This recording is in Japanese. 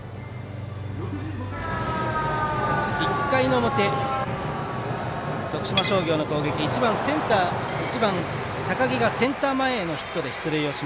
１回の表、徳島商業の攻撃１番センター、高木がセンター前ヒットで出塁。